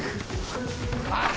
あっ。